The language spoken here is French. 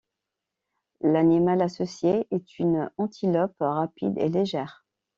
L'animal associé est une antilope, rapide et légère.